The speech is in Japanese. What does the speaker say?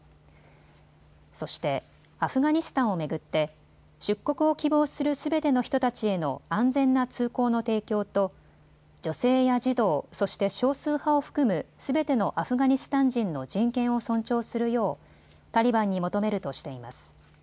そしてアフガニスタンを巡って出国を希望するすべての人たちへの安全な通行の提供と女性や児童、そして少数派を含むすべてのアフガニスタン人の人権を尊重するようタリバンに求めるとしています。